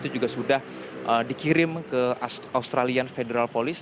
itu juga sudah dikirim ke australian federal police